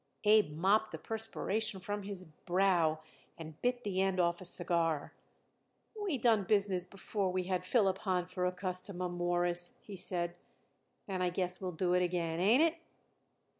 Abe mopped the perspiration from his brow and bit the end off a cigar. "We done business before we had Philip Hahn for a customer, Mawruss," he said, "and I guess we'll do it again. Ain't it?"